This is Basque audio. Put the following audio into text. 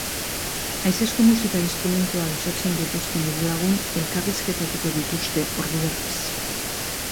Haizezko musika instrumentuak jotzen dituzten hiru lagun elkarrizketatuko dituzte ordu erdiz.